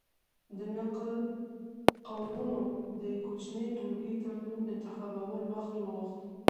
د نقل قولونو دې کوچنۍ ټولګې ته نوم انتخابول وخت وغوښت.